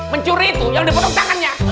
mencuri itu yang dipotong tangannya